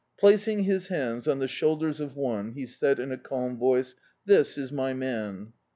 Plac ing his hands on the shoulders of cnie he said in a calm voice, "This is my man."